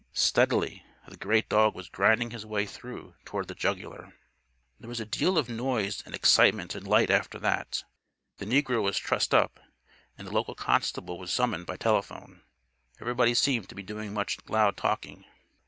Steadily, the great dog was grinding his way through toward the jugular. There was a deal of noise and excitement and light after that. The negro was trussed up and the local constable was summoned by telephone. Everybody seemed to be doing much loud talking.